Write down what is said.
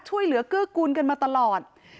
ช่วยเหลือเกื้อกูลกันมาตลอด